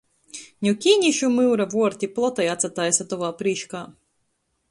Niu kīnīšu myura vuorti plotai atsataisa tovā prīškā.